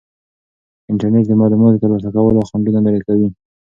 انټرنیټ د معلوماتو د ترلاسه کولو خنډونه لرې کوي.